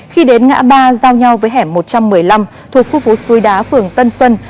khi đến ngã ba giao nhau với hẻm một trăm một mươi năm thuộc khu phố suối đá phường tân xuân